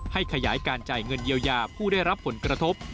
ขยายการจ่ายเงินเยียวยาผู้ได้รับผลกระทบ